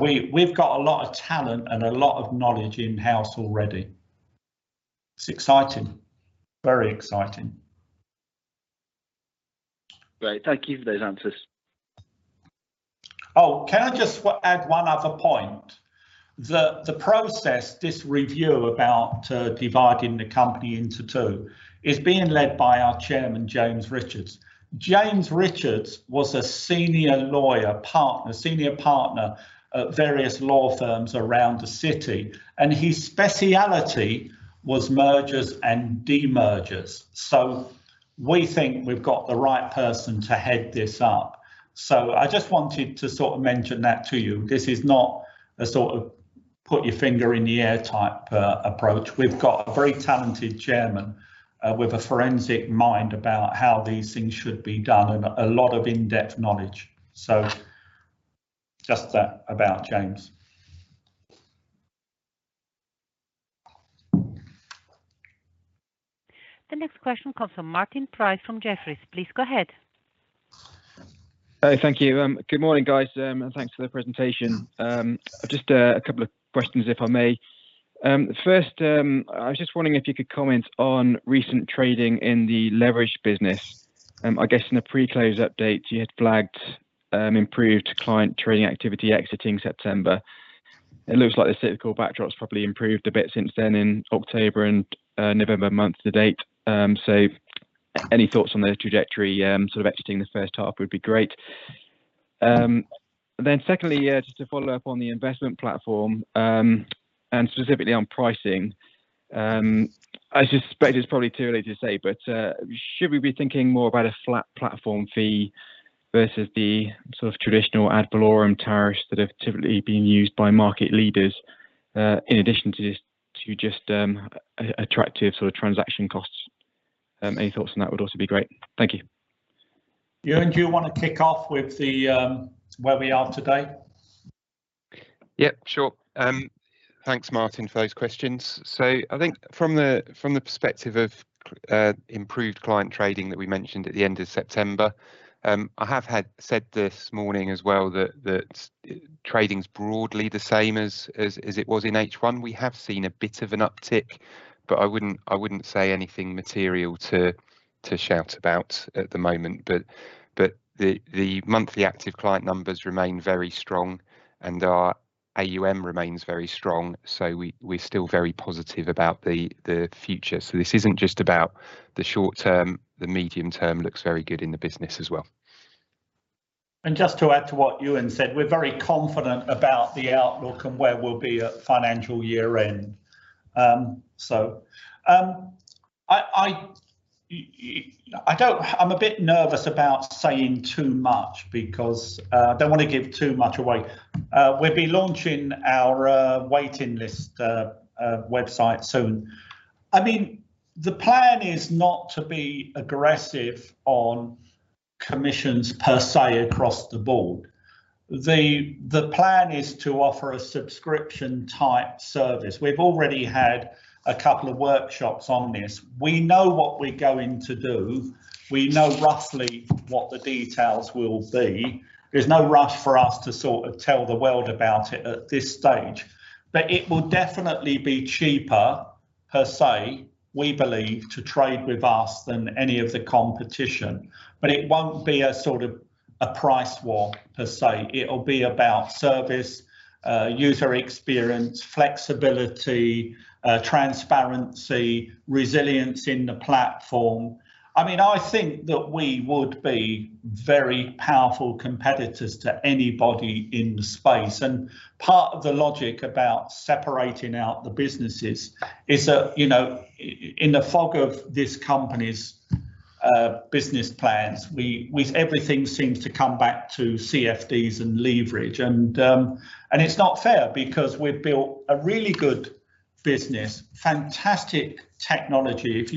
a lot of talent and a lot of knowledge in-house already. It's exciting. Very exciting. Great. Thank you for those answers. Oh, can I just add one other point? The process, this review about dividing the company into two is being led by our Chairman, James Richards. James Richards was a senior lawyer partner, senior partner at various law firms around the city, and his specialty was mergers and demergers. We think we've got the right person to head this up. I just wanted to sort of mention that to you. This is not a sort of put your finger in the air type approach. We've got a very talented Chairman with a forensic mind about how these things should be done, and a lot of in-depth knowledge. Just that about James. The next question comes from Martin Price from Jefferies. Please go ahead. Hi. Thank you. Good morning, guys, and thanks for the presentation. Just a couple of questions, if I may. First, I was just wondering if you could comment on recent trading in the leverage business. I guess in the pre-close update, you had flagged improved client trading activity exiting September. It looks like the cyclical backdrop's probably improved a bit since then in October and November months to date. So any thoughts on the trajectory sort of exiting this first half would be great. Then secondly, just to follow up on the investment platform and specifically on pricing. I suspect it's probably too early to say, but should we be thinking more about a flat platform fee versus the sort of traditional ad valorem tariffs that have typically been used by market leaders, in addition to just attractive sort of transaction costs? Any thoughts on that would also be great. Thank you. Euan, do you wanna kick off with the, where we are today? Yep, sure. Thanks, Martin, for those questions. I think from the perspective of improved client trading that we mentioned at the end of September, I have said this morning as well that trading's broadly the same as it was in H1. We have seen a bit of an uptick, but I wouldn't say anything material to shout about at the moment. But the monthly active client numbers remain very strong, and our AUM remains very strong. We're still very positive about the future. This isn't just about the short term. The medium term looks very good in the business as well. Just to add to what Euan said, we're very confident about the outlook and where we'll be at financial year-end. I'm a bit nervous about saying too much because I don't wanna give too much away. We'll be launching our waiting list website soon. I mean, the plan is not to be aggressive on commissions per se across the board. The plan is to offer a subscription-type service. We've already had a couple of workshops on this. We know what we're going to do. We know roughly what the details will be. There's no rush for us to sort of tell the world about it at this stage. It will definitely be cheaper, per se, we believe, to trade with us than any of the competition. It won't be a sort of a price war per se. It'll be about service, user experience, flexibility, transparency, resilience in the platform. I mean, I think that we would be very powerful competitors to anybody in the space. Part of the logic about separating out the businesses is that, you know, in the fog of this company's business plans. We everything seems to come back to CFDs and leverage, and it's not fair because we've built a really good business, fantastic technology. If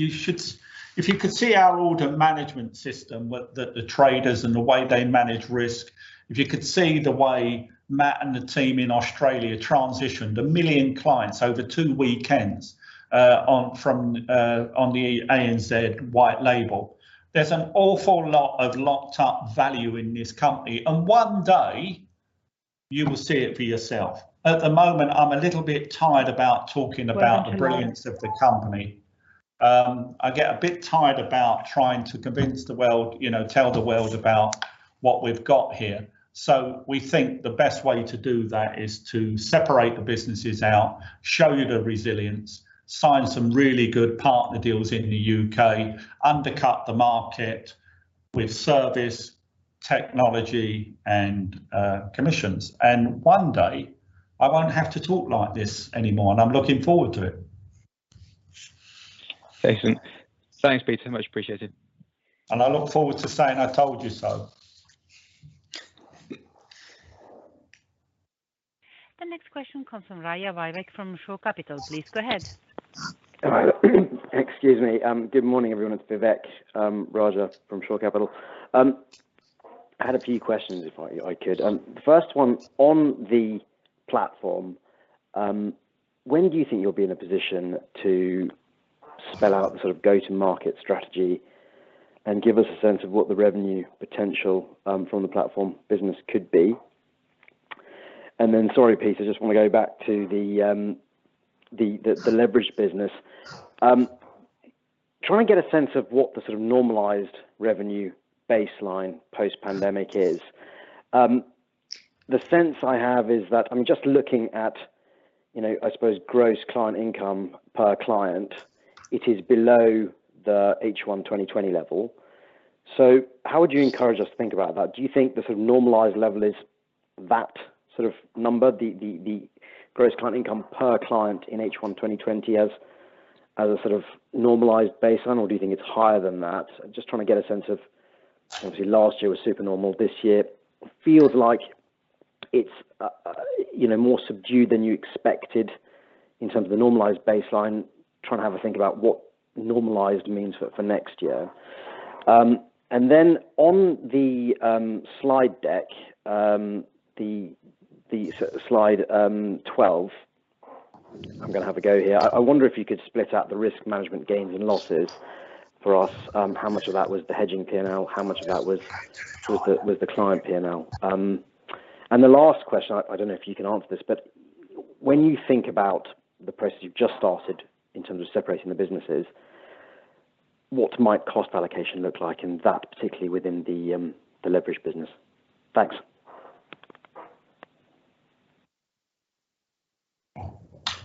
you could see our order management system, with the traders and the way they manage risk, if you could see the way Matt and the team in Australia transitioned 1 million clients over two weekends, on the ANZ White Label. There's an awful lot of locked-up value in this company. One day, you will see it for yourself. At the moment, I'm a little bit tired about talking about the brilliance of the company. I get a bit tired about trying to convince the world, you know, tell the world about what we've got here. We think the best way to do that is to separate the businesses out, show you the resilience, sign some really good partner deals in the U.K., undercut the market with service, technology, and commissions. One day, I won't have to talk like this anymore, and I'm looking forward to it. Excellent. Thanks, Peter. Much appreciated. I look forward to saying I told you so. The next question comes from Vivek Raja from Shore Capital. Please go ahead. Excuse me. Good morning, everyone. It's Vivek Raja from Shore Capital. I had a few questions if I could. The first one, on the platform, when do you think you'll be in a position to spell out the sort of go-to-market strategy and give us a sense of what the revenue potential from the platform business could be? Sorry, Peter, I just wanna go back to the leverage business. Try and get a sense of what the sort of normalized revenue baseline post-pandemic is. The sense I have is that I'm just looking at, you know, I suppose gross client income per client, it is below the H1 2020 level. How would you encourage us to think about that? Do you think the sort of normalized level is that sort of number, the gross client income per client in H1 2020 as a sort of normalized baseline, or do you think it's higher than that? I'm just trying to get a sense of, obviously, last year was super normal. This year feels like it's more subdued than you expected in terms of the normalized baseline. Trying to have a think about what normalized means for next year. And then on the slide deck, the slide 12, I'm gonna have a go here. I wonder if you could split out the risk management gains and losses for us. How much of that was the hedging P&L, how much of that was the client P&L? The last question, I don't know if you can answer this, but when you think about the process you've just started in terms of separating the businesses, what might cost allocation look like in that, particularly within the leverage business? Thanks.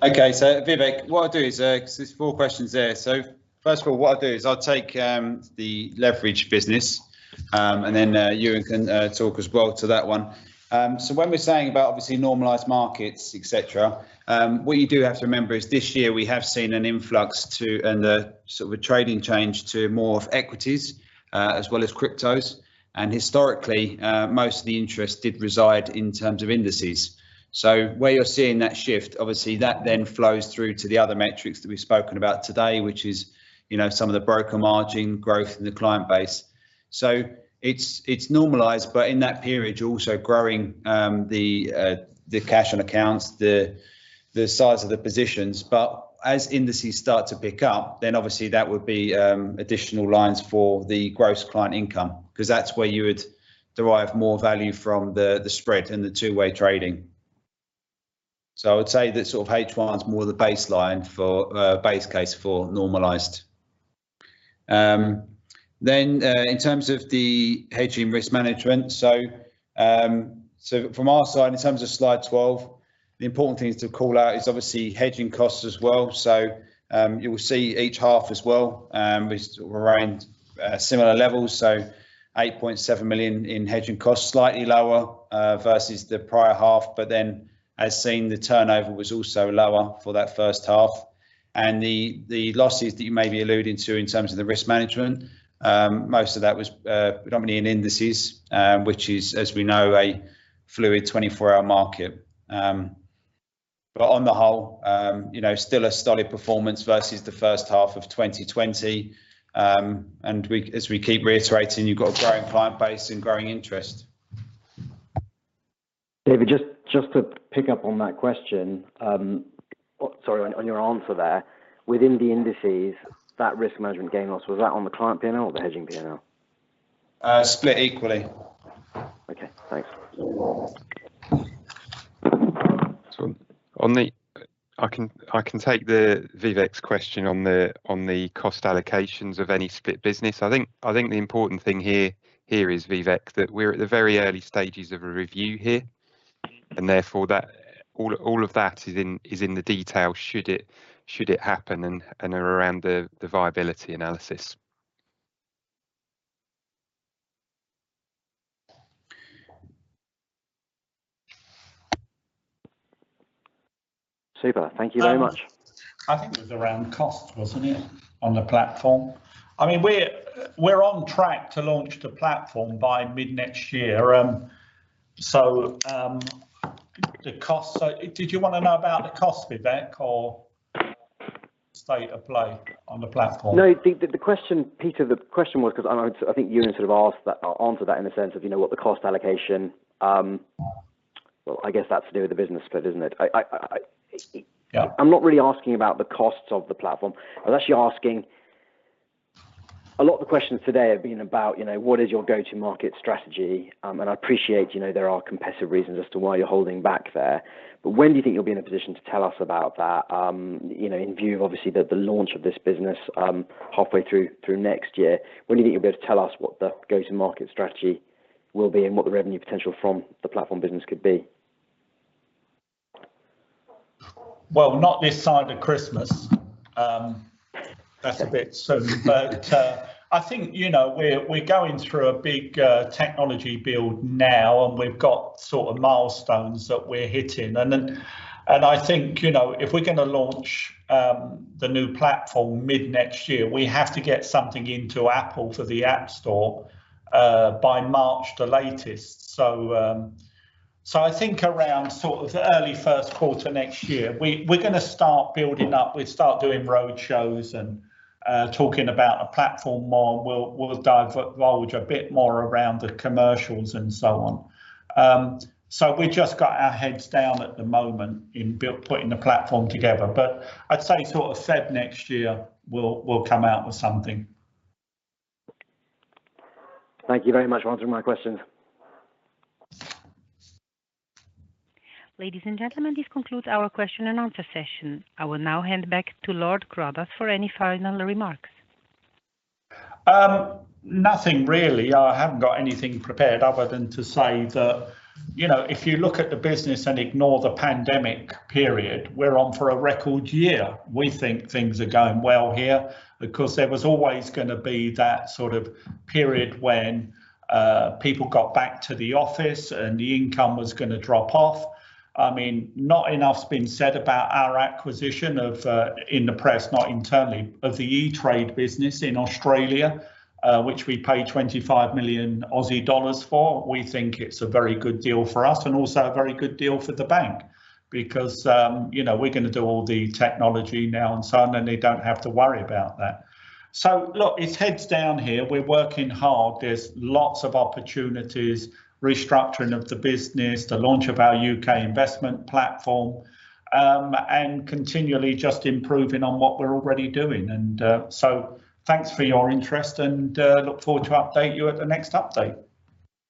Okay. Vivek, what I'll do is, 'cause there's four questions there. First of all, I'll take the leverage business, and then Euan can talk as well to that one. When we're saying about obviously normalized markets, et cetera, what you do have to remember is this year we have seen an influx to, and a sort of a trading change to more of equities, as well as cryptos. Historically, most of the interest did reside in terms of indices. Where you're seeing that shift, obviously that then flows through to the other metrics that we've spoken about today, which is, you know, some of the broker margin growth in the client base. It's normalized, but in that period, you're also growing the cash on accounts, the size of the positions. But as indices start to pick up, then obviously that would be additional lines for the gross client income, 'cause that's where you would derive more value from the spread and the two-way trading. I would say that sort of H1's more the baseline for base case for normalized. Then in terms of the hedging risk management. From our side, in terms of slide 12, the important thing is to call out obviously hedging costs as well. You will see each half as well, we're sort of around similar levels. 8.7 million in hedging costs, slightly lower versus the prior half. As seen, the turnover was also lower for that first half. The losses that you may be alluding to in terms of the risk management, most of that was predominantly in indices, which is, as we know, a fluid 24-hour market. On the whole, you know, still a sturdy performance versus the first half of 2020. As we keep reiterating, you've got a growing client base and growing interest. David, just to pick up on that question. Sorry, on your answer there. Within the indices, that risk management gain loss, was that on the client P&L or the hedging P&L? Split equally. Okay, thanks. I can take Vivek's question on the cost allocations of any split business. I think the important thing here is, Vivek, that we're at the very early stages of a review here, and therefore that all of that is in the detail should it happen and around the viability analysis. Super. Thank you very much. I think it was around cost, wasn't it, on the platform? I mean, we're on track to launch the platform by mid-next year. The cost. Did you wanna know about the cost, Vivek, or state of play on the platform? No, the question, Peter, the question was, 'cause I know I think Euan sort of asked that or answered that in the sense of, you know, what the cost allocation, well, I guess that's to do with the business split, isn't it? I. Yeah. I'm not really asking about the costs of the platform, unless you're asking. A lot of the questions today have been about, you know, what is your go-to-market strategy, and I appreciate, you know, there are competitive reasons as to why you're holding back there. When do you think you'll be in a position to tell us about that, you know, in view of obviously the launch of this business, halfway through next year. When do you think you'll be able to tell us what the go-to-market strategy will be and what the revenue potential from the platform business could be? Well, not this side of Christmas. That's a bit soon. I think, you know, we're going through a big technology build now, and we've got sort of milestones that we're hitting. I think, you know, if we're gonna launch the new platform mid next year, we have to get something into Apple for the App Store by March the latest. I think around sort of early first quarter next year, we're gonna start building up. We'll start doing roadshows and talking about a platform more. We'll dive, well, a bit more around the commercials and so on. We just got our heads down at the moment in build, putting the platform together. I'd say sort of February next year, we'll come out with something. Thank you very much for answering my questions. Ladies and gentlemen, this concludes our question and answer session. I will now hand back to Lord Cruddas for any final remarks. Nothing really. I haven't got anything prepared other than to say that, you know, if you look at the business and ignore the pandemic period, we're on for a record year. We think things are going well here. Of course, there was always gonna be that sort of period when people got back to the office, and the income was gonna drop off. I mean, not enough's been said about our acquisition of, in the press, not internally, of the E*TRADE business in Australia, which we paid 25 million Aussie dollars for. We think it's a very good deal for us and also a very good deal for the bank because, you know, we're gonna do all the technology now and so on, and they don't have to worry about that. Look, it's heads down here. We're working hard. There's lots of opportunities, restructuring of the business, the launch of our U.K. investment platform, and continually just improving on what we're already doing. So thanks for your interest, and I look forward to update you at the next update.